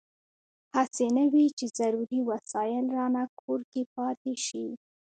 هسې نه وي چې ضروري وسایل رانه کور کې پاتې شي.